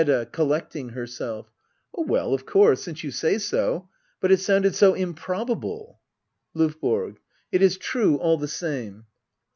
Hedda. [Collecting herself,] Oh well, of course — since you say so. But it sounded so improbable LOVBORO. It is true, all the same.